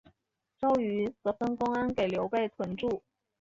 周瑜则分公安给刘备屯驻。